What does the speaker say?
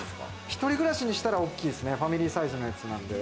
一人暮らしにしては大きいですね、ファミリーサイズなんで。